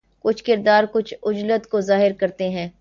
کچھ کردار کچھ عجلت کو ظاہر کرتے ہیں